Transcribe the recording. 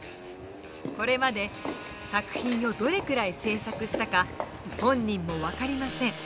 これまで作品をどれくらい制作したか本人も分かりません。